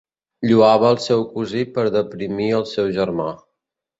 Lloava el seu cosí per deprimir el seu germà.